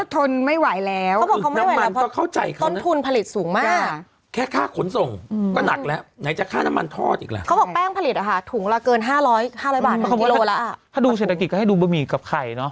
ถ้าดูเศรษฐกิจก็ให้ดูบะหมี่กับไข่เนอะ